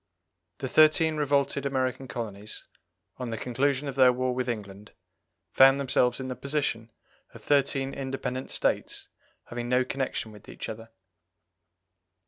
The thirteen revolted American colonies, on the conclusion of their war with England, found themselves in the position of thirteen independent States having no connection with each other.